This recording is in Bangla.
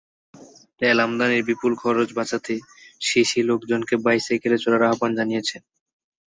তেল আমদানির বিপুল খরচ বাঁচাতে সিসি লোকজনকে বাইসাইকেলে চড়ার আহ্বান জানিয়েছেন।